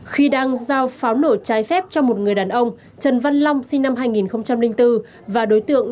khi đang giao pháo nổ trái phép cho một người đàn ông trần văn long sinh năm hai nghìn bốn và đối tượng